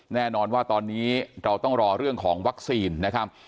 แน่นอนว่าตอนนี้เราต้องรอเรื่องของวัคซีนนะครับ